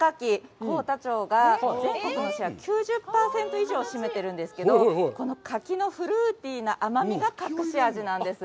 幸田町が全国のシェア９０％以上を占めているんですけど、この柿のフルーティーな甘みが、隠し味なんです。